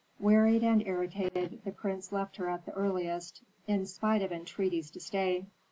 Wearied and irritated, the prince left her at the earliest, in spite of entreaties to stay.